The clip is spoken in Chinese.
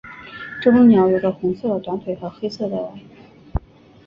这种鸟有着红色的短腿和黑色的喙。